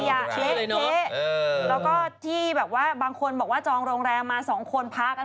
ไข่ยะเละเทะแล้วก็ที่บางคนบอกว่าจองโรงแรมมา๒คนพักมา๑๐คน